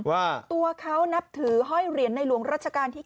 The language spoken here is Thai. ว่าตัวเขานับถือห้อยเหรียญในหลวงรัชกาลที่๙